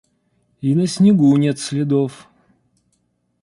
И на снегу нет следов!